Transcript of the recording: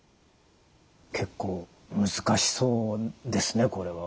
結構難しそうですねこれは。